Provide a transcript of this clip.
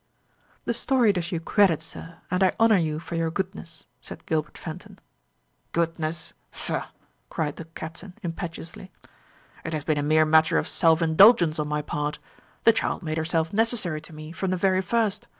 "The story does you credit, sir; and I honour you for your goodness," said Gilbert Fenton. "Goodness, pshaw!" cried the Captain, impetuously; "it has been a mere matter of self indulgence on my part. The child made herself necessary to me from the very first.